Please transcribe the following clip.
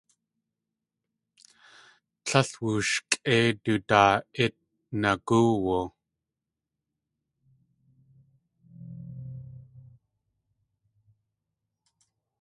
Tlél wushkʼéi du daa.itnagóowu.